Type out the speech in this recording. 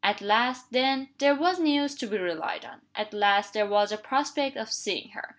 At last, then, there was news to be relied on! At last there was a prospect of seeing her!